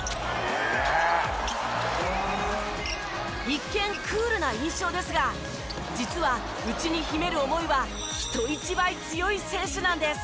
一見クールな印象ですが実は内に秘める思いは人一倍強い選手なんです。